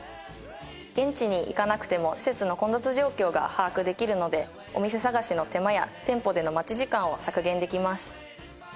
現地に行かなくても施設の混雑状況が把握できるのでお店探しの手間や店舗での待ち時間を削減できます。